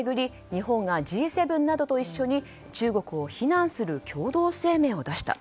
日本がＧ７などと一緒に中国を非難する共同声明を出した。